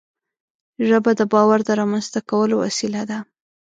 ژبه د باور د رامنځته کولو وسیله ده